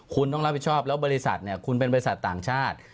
คุณต้องรับผิดชอบแล้วบริษัทเนี่ยคุณเป็นบริษัทต่างชาติ